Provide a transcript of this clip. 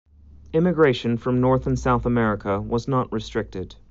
Immigration from North and South America was not restricted.